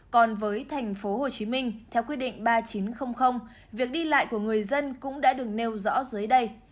còn với thành phố hồ chí minh theo quy định ba nghìn chín trăm linh việc đi lại của người dân cũng đã được nêu rõ dưới đây